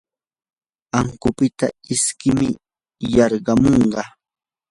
ankunpita isquymi yarquykamun.